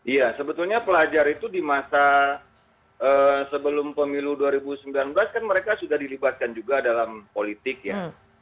iya sebetulnya pelajar itu di masa sebelum pemilu dua ribu sembilan belas kan mereka sudah dilibatkan juga dalam politik ya